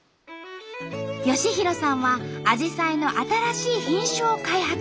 良浩さんはアジサイの新しい品種を開発。